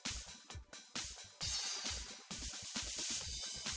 makan tuh harta kamu